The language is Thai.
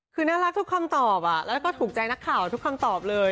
คือน่ารักทุกคำตอบแล้วก็ถูกใจนักข่าวทุกคำตอบเลย